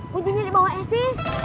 kuncinya dibawa esi